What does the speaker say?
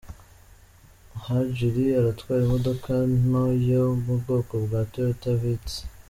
Mhajiri atwara imodoka nto yo mu bwoko bwa Toyota Vitz.